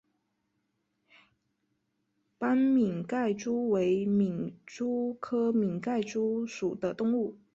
斑皿盖蛛为皿蛛科皿盖蛛属的动物。